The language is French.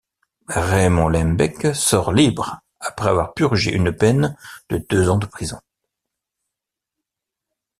Raymond Lembecke sort libre après avoir purgé une peine de deux ans de prison.